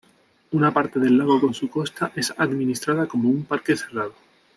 Una parte del lago con su costa es administrada como un parque cerrado.